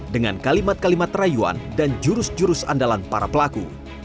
dengan kalimat kalimat rayuan dan jurus jurus andalan para pelaku